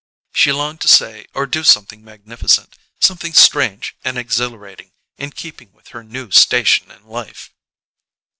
She longed to say or do something magnificent something strange and exhilarating, in keeping with her new station in life.